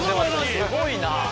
すごいな。